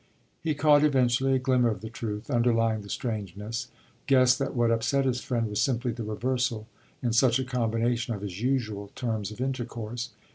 He caught eventually a glimmer of the truth underlying the strangeness, guessed that what upset his friend was simply the reversal, in such a combination, of his usual terms of intercourse.